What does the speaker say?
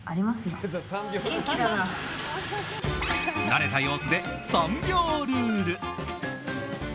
慣れた様子で３秒ルール。